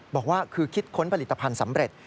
บอกว่าคือคิดค้นผลิตภัณฑ์สำเร็จ